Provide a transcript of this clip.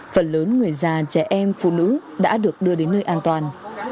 phần lớn người già trẻ em phụ nữ đã được đưa đến nơi an toàn